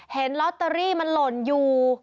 เห็นลอตเตอรี่มันหล่นอยู่